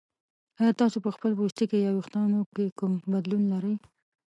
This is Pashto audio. ایا تاسو په خپل پوستکي یا ویښتو کې کوم بدلون لرئ؟